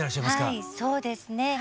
はいそうですね。